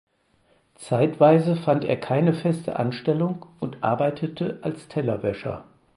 Zeitweise fand er keine feste Anstellung und arbeitete als Tellerwäscher.